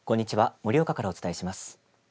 盛岡からお伝えします。